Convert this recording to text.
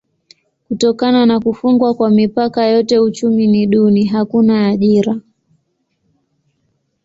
Kutokana na kufungwa kwa mipaka yote uchumi ni duni: hakuna ajira.